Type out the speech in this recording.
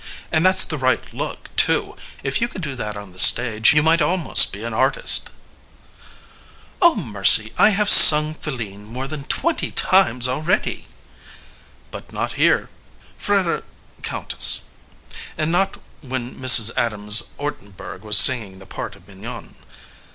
And that's the right look, too.... If you could do that on the stage, you might almost be an artist. FREDERIQUE Oh, mercy, I have sung Philine more than twenty times already. AMADEUS But not here, Freder ... Countess. And not when Mrs. Adams Ortenburg was singing the part of Mignon.